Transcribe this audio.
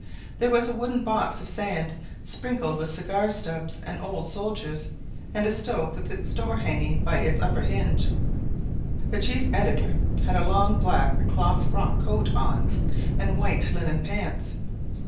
There was a wooden box of sand, sprinkled with cigar stubs and old soldiers, and a stove with its door hanging by its upper hinge. The chief editor had a long black cloth frock coat on and white linen pants.